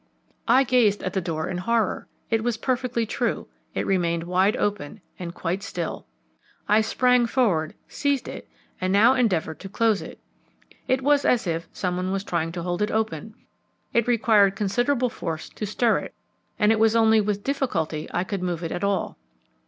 I gazed at the door in horror; it was perfectly true, it remained wide open, and quite still. I sprang forward, seized it, and now endeavoured to close it. It was as if some one was trying to hold it open; it required considerable force to stir it, and it was only with difficulty I could move it at all.